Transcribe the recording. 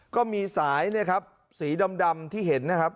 ก็มีสายสีดำที่เห็นนะครับ